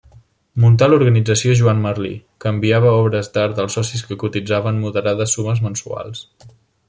Muntà l'Organització Joan Merli, que enviava obres d'art als socis que cotitzaven moderades sumes mensuals.